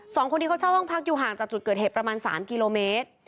คนที่เขาเช่าห้องพักอยู่ห่างจากจุดเกิดเหตุประมาณสามกิโลเมตร